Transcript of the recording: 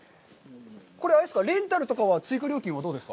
これ、あれですか、レンタルとかの追加料金はどうですか。